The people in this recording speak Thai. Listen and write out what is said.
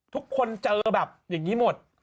ทุกคนเจอแบบอย่างนี้หมด